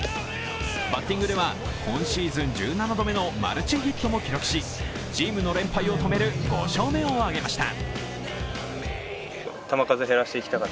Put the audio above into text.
バッティングでは今シーズン１７度目のマルチヒットを記録し、チームも連敗を止める５勝目を挙げました。